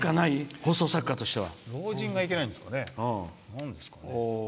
放送作家としては。